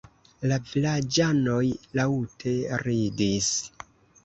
La vilaĝanoj laŭte ridis.